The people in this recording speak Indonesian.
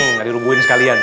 nggak dirubuhin sekalian